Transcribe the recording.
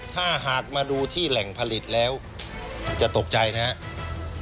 ถ้าหากมาดูที่แหล่งผลิตแล้วจะตกใจนะครับ